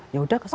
ya udah kesana